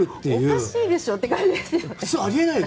おかしいでしょって感じ。